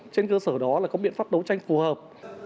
trên cơ sở đó là có biện pháp đấu tranh phù hợp